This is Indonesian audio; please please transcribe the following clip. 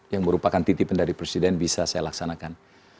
yang merupakan titipan dari presiden bisa saya laksanakan